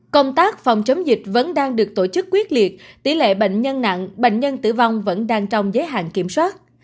công tác phòng chống dịch vẫn đang được tổ chức quyết liệt tỷ lệ bệnh nhân nặng bệnh nhân tử vong vẫn đang trong giới hạn kiểm soát